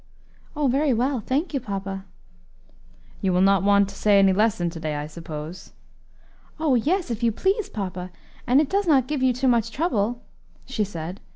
"Oh! very well, thank you, papa." "You will not want to say any lesson to day, I suppose?" "Oh! yes, if you please, papa, and it does not give you too much trouble," she said.